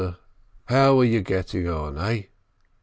How are you getting on, eh?"